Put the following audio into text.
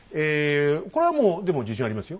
これはもうでも自信ありますよ。